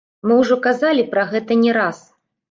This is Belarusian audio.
Мы ўжо казалі пра гэта не раз.